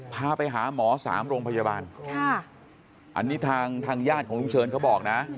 พาไปหาหมอ๓โรงพยาบาลอันนี้ทางญาติของลุงเชิญเขาบอกนะ